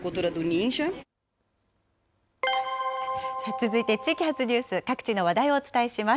続いて地域発ニュース、各地の話題をお伝えします。